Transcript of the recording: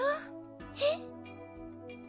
えっ？